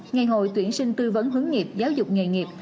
ngày hội tuyển sinh tư vấn hướng nghiệp giáo dục nghề nghiệp